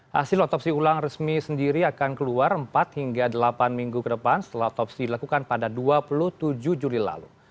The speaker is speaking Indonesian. hasil otopsi ulang resmi sendiri akan keluar empat hingga delapan minggu ke depan setelah otopsi dilakukan pada dua puluh tujuh juli lalu